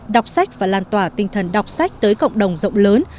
đọc sách và lan tỏa tinh thần đọc sách tới cộng đồng rộng lớn